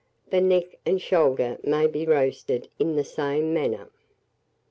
The neck and shoulder may be roasted in the same manner.